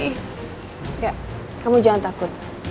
enggak kamu jangan takut